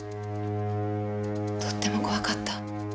とっても怖かった。